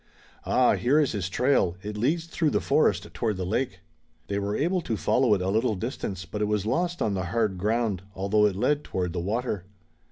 Ah, here is his trail! It leads through the forest toward the lake!" They were able to follow it a little distance but it was lost on the hard ground, although it led toward the water.